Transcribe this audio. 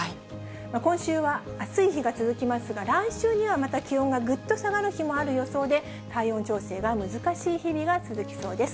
今週は暑い日が続きますが、来週にはまた気温がぐっと下がる日もある予想で、体温調整が難しい日々が続きそうです。